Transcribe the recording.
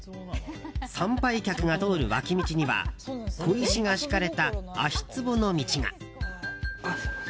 参拝客が通る脇道には小石が敷かれた足ツボの道が。